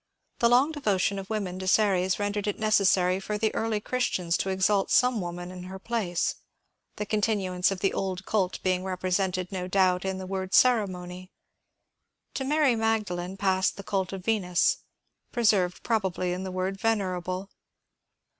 The long devotion of women to Ceres rendered it necessary for the early Chris tians to exalt some woman in her place, the continuance of the old cult being represented, no doubt, in the word cere mony. To Mary Magdalene passed the cult of Venus, pre served probably in the word venerable.